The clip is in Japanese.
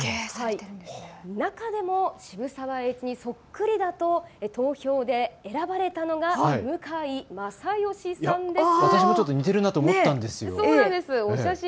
中でも渋沢栄一にそっくりだと投票で選ばれたのが向井正義さんです。